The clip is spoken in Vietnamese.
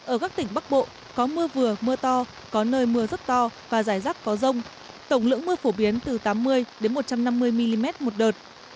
ở các tỉnh bắc bộ có mưa vừa mưa to có nơi mưa rất to và rải rác có rông tổng lượng mưa phổ biến từ tám mươi một trăm năm mươi mm một đợt